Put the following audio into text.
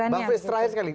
bang frits terakhir sekali